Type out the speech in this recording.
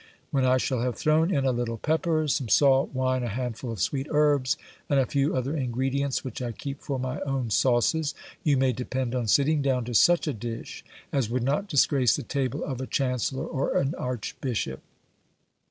When I shall have thrown in a little pepper, some salt, wine, a handful of sweet herbs, and a few other ingredients which I keep for my own sauces, you may depend on sitting down to such a dish as would not disgrace the table of a chancellor or an archbishop.